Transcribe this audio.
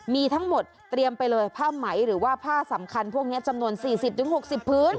มีทั้งหมดเตรียมไปเลยผ้าไหมหรือว่าผ้าสำคัญพวกนี้จำนวน๔๐๖๐พื้น